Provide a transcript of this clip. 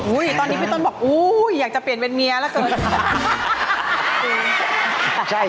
อุ๊ยตอนนี้พี่ต้นบอกอุ๊ยอยากจะเปลี่ยนเป็นเมียแล้วเกิด